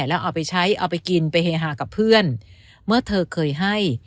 แล้วเอาไปใช้เอาไปกินไปเฮฮากับเพื่อนเมื่อเธอเคยให้